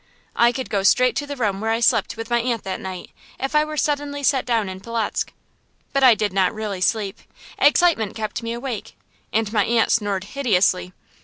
I could go straight to the room where I slept with my aunt that night, if I were suddenly set down in Polotzk. But I did not really sleep. Excitement kept me awake, and my aunt snored hideously.